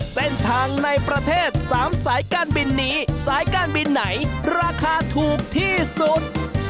เส้นทางในประเทศ๓สายการบินนี้สายการบินไหนราคาถูกที่สุด